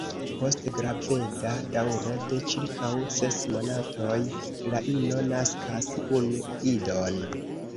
Post graveda daŭro de ĉirkaŭ ses monatoj la ino naskas unu idon.